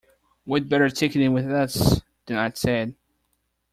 ‘We’d better take it with us,’ the Knight said.